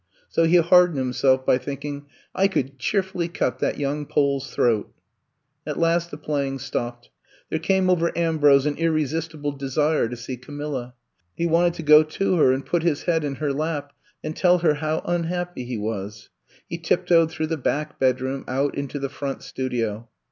So he hardened himself by thinking: I could cheerfully cut that young Pole's throat. '' At last the playing stopped. There came over Ambrose an irresistible desire to see Camilla. He wanted to go to her and put his head in her lap and tell her how unhappy he was. He tiptoed through the back bedroom, out into the front studio.